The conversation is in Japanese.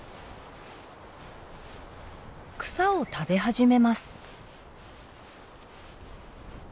草を食べ始めます。